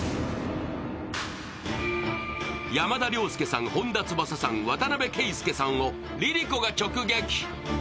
山田涼介さん、本田翼さん、渡邊圭祐さんをＬｉＬｉＣｏが直撃。